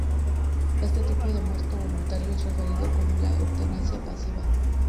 Este tipo de muerte voluntaria es referido como la eutanasia pasiva.